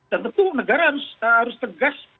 tentu negara harus tegas